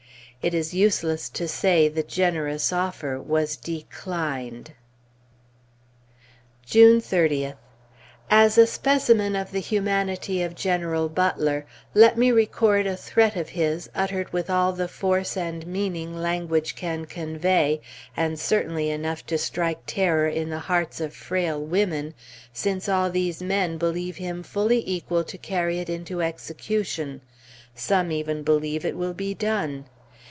It is useless to say the generous offer was declined. June 30th. As a specimen of the humanity of General Butler, let me record a threat of his uttered with all the force and meaning language can convey, and certainly enough to strike terror in the hearts of frail women, since all these men believe him fully equal to carry it into execution; some even believe it will be done.